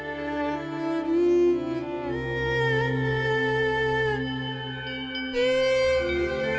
หวังว่าพี่จะเห็นพี่